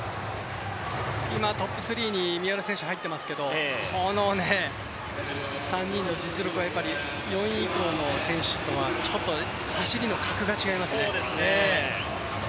今トップ３に三浦選手入っていますけれども、この３人の実力は４位以降の選手とは走りの格が違いますね。